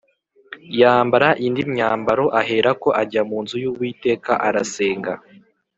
yambara indi myambaro, aherako ajya mu nzu y’Uwiteka arasenga